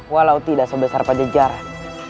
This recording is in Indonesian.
walau tidak sebesar pajejaran